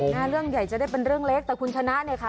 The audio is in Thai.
เรื่องใหญ่จะได้เป็นเรื่องเล็กแต่คุณชนะเนี่ยค่ะ